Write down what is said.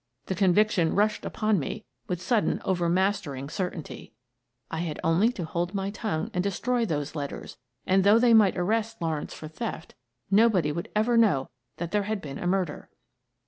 The con viction rushed upon me with sudden overmaster ing certainty: / had only to hold my tongue and destroy those letters and, though they might arrest Laavrencc for theft, nobody would ever know that there had been a murder!